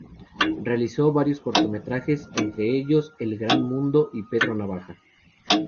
Realizó varios cortometrajes, entre ellos: El Gran Mundo y Pedro Navaja.